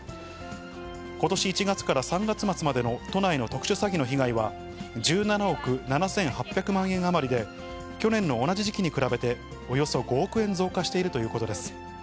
ことし１月から３月末までの都内の特殊詐欺の被害は、１７億７８００万円余りで、去年の同じ時期に比べておよそ５億円増加しているということです。